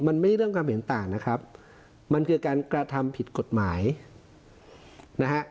มันไม่ใช่เรื่องความเห็นต่างนะครับมันคือการกระทำผิดกฎหมายนะฮะ